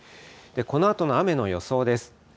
このあとの雨の予想です。